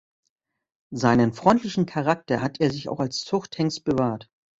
Seinen freundlichen Charakter hat er sich auch als Zuchthengst bewahrt.